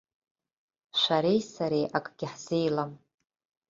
Шәареи сареи акгьы ҳзеилам.